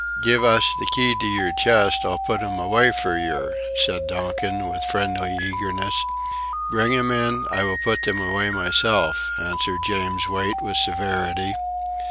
"Giv' us the key of your chest, I'll put 'em away for yer," said Donkin with friendly eagerness. "Bring 'em in, I will put them away myself," answered James Wait with severity.